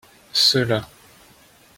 ceux-là.